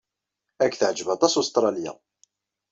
Ad k-teɛjeb aṭas Ustṛalya.